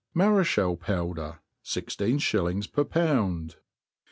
Marechalle Powder. — Sixteen Shillings fer Pound.